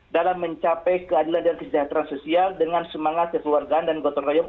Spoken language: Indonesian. dalam mencapai keadilan dan kesejahteraan sosial dengan semangat kekeluargaan dan gotong royong